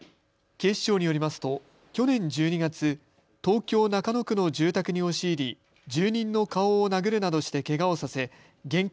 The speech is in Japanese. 警視庁によりますと去年１２月、東京中野区の住宅に押し入り住人の顔を殴るなどしてけがをさせ現金